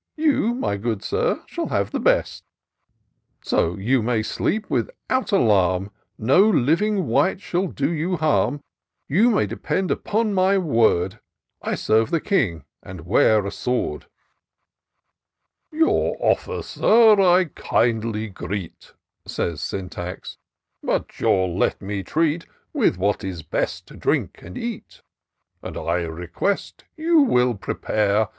You, my good Sir, shall have the best ; So you may sleep without alarm ; No living wight shall do you harm : i 170 TOUR OF DOCTOR SYNTAX You may depend upon my word; — I serve the King, and wear a swordJ' " Your offer, Sir, I kindly greet," Says Syntax, " but you'll let me treat With what is best to drink and eat ; And I request you will prepare.